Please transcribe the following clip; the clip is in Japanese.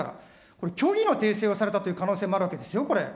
これ、虚偽の訂正をされたという可能性もあるわけですよ、これ。